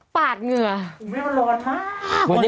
ปาดเหงื่อไม่มันร้อนเลย